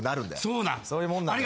そういうもんなんだよ。